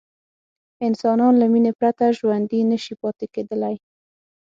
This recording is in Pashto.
انسانان له مینې پرته ژوندي نه شي پاتې کېدلی.